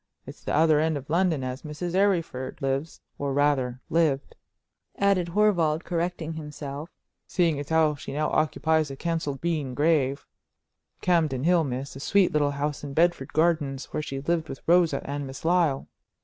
It's the other end of London as Mrs. Arryford lives—or rather lived," added Horval, correcting himself, "seeing she now occupies a Kensal Green grave—Campden Hill, miss; a sweet little house in Bedford Gardens, where she lived with Rosa and Miss Lyle."